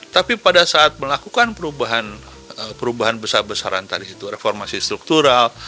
tapi pada saat melakukan perubahan besar besaran tadi itu reformasi struktural